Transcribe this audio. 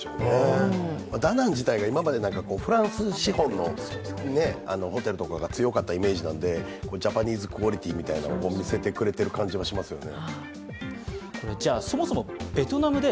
ダナン自体が今までフランス資本のホテルとかが強かったイメージなので、ジャパニーズクオリティーみたいなものを見せてくれている感じはしますよね。